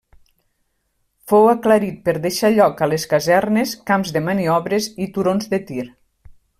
Fou aclarit per deixar lloc a les casernes, camps de maniobres i turons de tir.